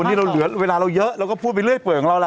วันนี้เราเหลือเวลาเราเยอะเราก็พูดไปเรื่อยเปื่อยของเราแหละ